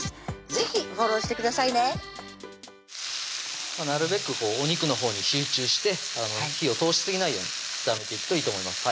是非フォローしてくださいねなるべくお肉のほうに集中して火を通しすぎないように炒めていくといいと思います